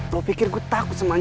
lo pikir gue takut semacam lo